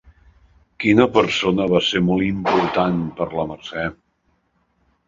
Quina persona va ser molt important per la Mercè?